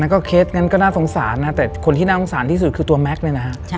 ก็เคสงั้นก็น่าสงสารนะแต่คนที่น่าสงสารที่สุดคือตัวแม็กซ์เนี่ยนะฮะ